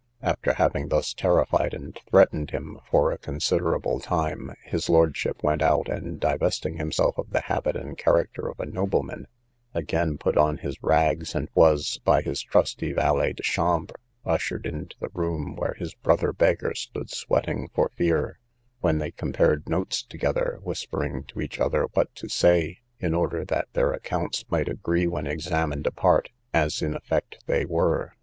After having thus terrified and threatened him for a considerable time, his lordship went out, and, divesting himself of the habit and character of a nobleman, again put on his rags, and was, by his trusty valet de chambre, ushered into the room where his brother beggar stood sweating for fear, when they compared notes together, whispering to each other what to say, in order that their accounts might agree when examined apart, as in effect they were.